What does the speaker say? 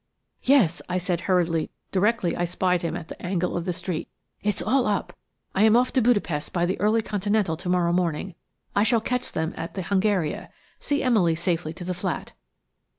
"Yes," I said hurriedly, directly I spied him at the angle of the street; "it's all up. I am off to Budapest by the early Continental to morrow morning. I shall catch them at the Hungaria. See Emily safely to the flat."